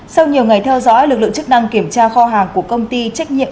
sau nhiều ngày theo dõi lực lượng chức năng kiểm tra kho hàng của công ty trách nhiệm